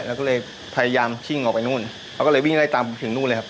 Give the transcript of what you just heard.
แล้วก็เลยพยายามชิ่งออกไปนู่นเขาก็เลยวิ่งไล่ตามผมถึงนู่นเลยครับ